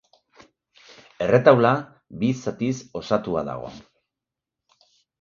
Erretaula, bi zatiz osatua dago.